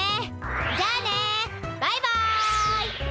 じゃあねバイバイ。